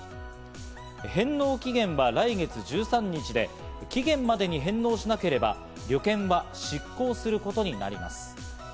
返納期限は来月１３日で、期限までに返納しなければ旅券は失効することになります。